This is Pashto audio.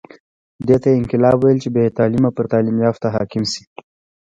دې ته یې انقلاب ویل چې بې تعلیمه پر تعلیم یافته حاکم شي.